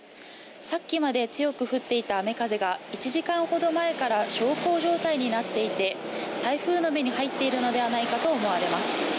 さっきまで強く降っていた雨、風が１時間ほど前から小康状態になっていて台風の目に入っているのではないかと思われます。